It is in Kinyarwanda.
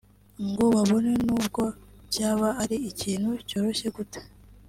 ngo kabone n’ubwo cyaba ari ikintu cyoroshye gute